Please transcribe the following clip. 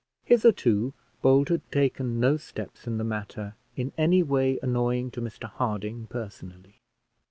Hitherto Bold had taken no steps in the matter in any way annoying to Mr Harding personally.